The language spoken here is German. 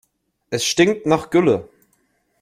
Es stinkt nach Gülle.